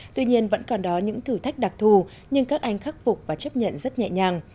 tuy nhiên vẫn còn đó những thử thách đặc thù nhưng các anh khắc phục và chấp nhận rất nhẹ nhàng